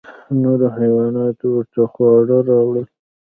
نورو حیواناتو ورته خواړه راوړل.